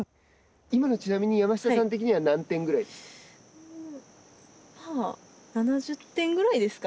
今のちなみに、山下さん的には何点ぐらいですか。